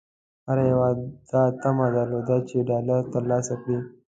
هر یوه دا طمعه درلوده چې ډالر ترلاسه کړي.